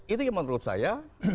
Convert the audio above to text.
itu yang menurut saya